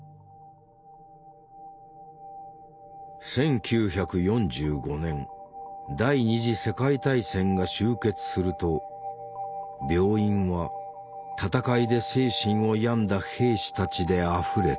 １９４５年第二次世界大戦が終結すると病院は戦いで精神を病んだ兵士たちであふれた。